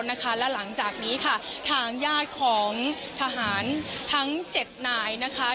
แล้วนะคะแล้วหลังจากนี้ค่ะทางญาติของทหารทั้งเจ็ดหน่ายนะคะ